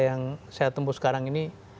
yang saya tempuh sekarang ini